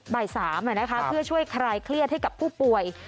บ่าย๓เพื่อช่วยคลายเครียดให้กับผู้ป่วย